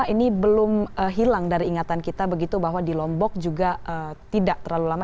ini belum hilang dari ingatan kita begitu bahwa di lombok juga tidak terlalu lama